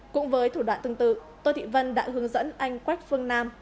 cũng với thủ đoạn tương tự tô thị vân đã hướng dẫn anh quách phương nam